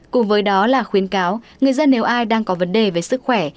cùng với đó là khuyến cáo người dân nếu ai đang có vấn đề về sức khỏe